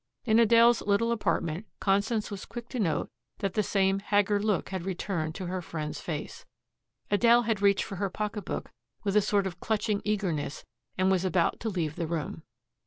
In Adele's little apartment Constance was quick to note that the same haggard look had returned to her friend's face. Adele had reached for her pocketbook with a sort of clutching eagerness and was about to leave the room.